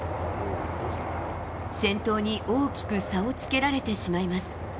先頭に大きく差をつけられてしまいます。